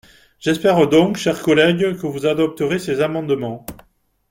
J’espère donc, chers collègues, que vous adopterez ces amendements.